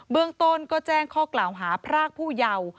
เมืองต้นก็แจ้งข้อกล่าวหาพรากผู้เยาว์